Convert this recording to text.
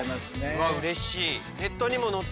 うわうれしい。